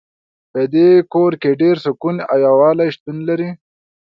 په دې کور کې ډېر سکون او یووالۍ شتون لری